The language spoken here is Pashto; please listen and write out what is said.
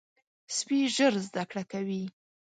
سپي ژر زده کړه کوي.